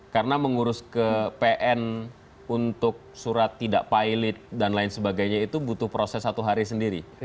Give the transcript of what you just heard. karena mengurus ke pn untuk surat tidak pilot dan lain sebagainya itu butuh proses satu hari sendiri